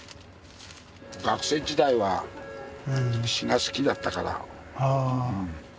学生時代は詩が好きだったから。